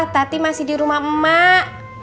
tati masih di rumah emak emak